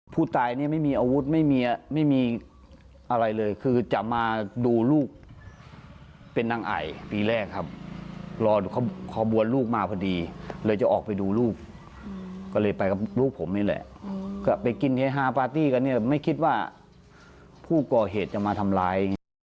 ผู้ตายเนี่ยไม่มีอาวุธไม่มีไม่มีอะไรเลยคือจะมาดูลูกเป็นนางไอปีแรกครับรอขบวนลูกมาพอดีเลยจะออกไปดูลูกก็เลยไปกับลูกผมนี่แหละก็ไปกินเฮฮาปาร์ตี้กันเนี่ยไม่คิดว่าผู้ก่อเหตุจะมาทำร้ายอย่างนี้